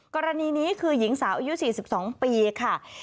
กรณีนี้คือหญิงสาวอายุ๔๒ปีค่ะ